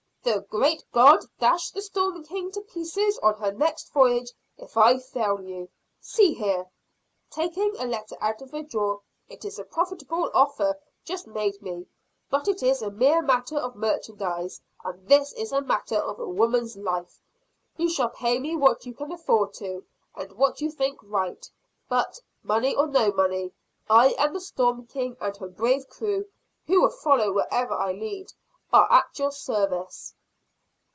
The great God dash the Storm King to pieces on her next voyage if I fail you! See here," taking a letter out of a drawer, "it is a profitable offer just made me. But it is a mere matter of merchandise; and this is a matter of a woman's life! You shall pay me what you can afford to, and what you think right; but, money or no money, I and the Storm King, and her brave crew, who will follow wherever I lead, are at your service!"